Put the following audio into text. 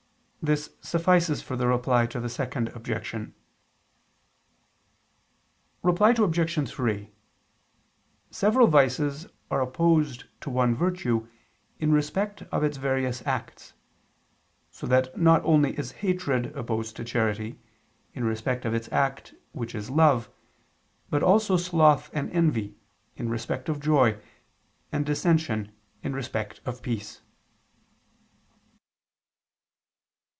This suffices for the Reply to the Second Objection. Reply Obj. 3: Several vices are opposed to one virtue in respect of its various acts: so that not only is hatred opposed to charity, in respect of its act which is love, but also sloth and envy, in respect of joy, and dissension in respect of peace.